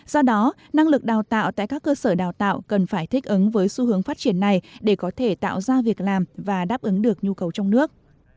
do đó năng lực đào tạo tại các cơ sở đào tạo cần phải thích ứng với xu hướng phát triển này để có thể tạo ra việc làm và đáp ứng được nhu cầu trong nước